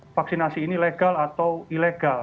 vaksinasi ini legal atau ilegal